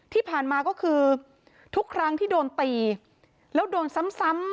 ที่ผ่านมาก็คือทุกครั้งที่โดนตีแล้วโดนซ้ำ